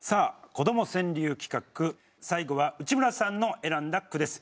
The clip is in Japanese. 「子ども川柳」企画最後は内村さんの選んだ句です。